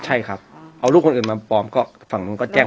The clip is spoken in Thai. ใช่ครับเอาลูกคนอื่นมาปลอมก็ฝั่งนู้นก็แจ้ง